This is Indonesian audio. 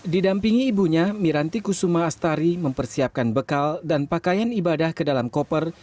didampingi ibunya miranti kusuma astari mempersiapkan bekal dan pakaian ibadah ke dalam koper